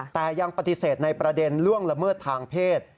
แต่ยังปฏิเสธในประเด็นล่วงละเมิดทางเพศ